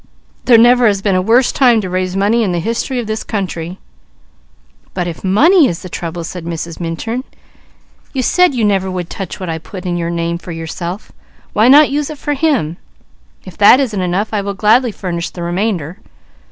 There never has been a worse time to raise money in the history of this country." "But if money is the trouble," said Mrs. Minturn, "you said you never would touch what I put in your name for yourself, why not use it for him? If that isn't enough, I will gladly furnish the remainder.